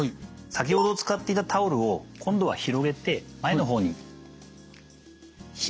先ほど使っていたタオルを今度は広げて前の方に敷いてください。